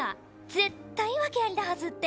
絶対訳ありだはずって。